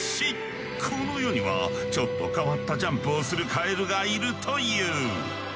この世にはちょっと変わったジャンプをするカエルがいるという。